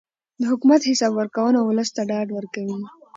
د حکومت حساب ورکونه ولس ته ډاډ ورکوي